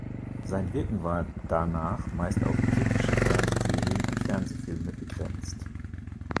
Sein Wirken war danach meist auf britische Fernsehserien und Fernsehfilme begrenzt.